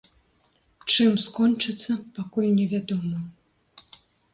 Чым скончыцца, пакуль невядома.